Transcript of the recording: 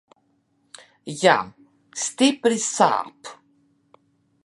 Jā, stipri sāp.